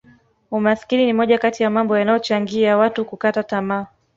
umaskini ni moja kati ya mambo yanayochangia watu kukata tamaa